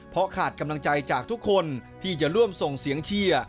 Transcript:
เพราะขาดกำลังใจจากทุกคนที่จะร่วมส่งเสียงเชียร์